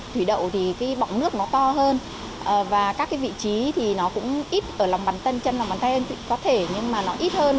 thủy đậu thì cái bóng nước nó to hơn và các cái vị trí thì nó cũng ít ở lòng bắn tân chân lòng bắn tân có thể nhưng mà nó ít hơn